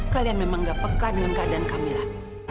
kalian memang nggak peka dengan keadaan kamila